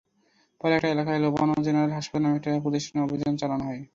পরে একই এলাকায় লুবানা জেনারেল হাসপাতাল নামে একটি প্রতিষ্ঠানে অভিযান চালানো হয়।